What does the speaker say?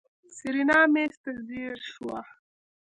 سېرېنا مېز ته ځير شوه.